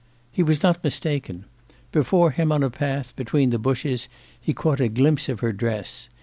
He was not mistaken. Before him on a path between the bushes he caught a glimpse of her dress.